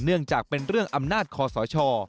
เนื่องจากเป็นเรื่องอำนาจคอสช